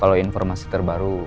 apa dapet squad